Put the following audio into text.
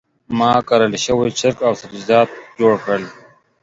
ما ګرل شوي چرګ او سبزیجات جوړ کړل.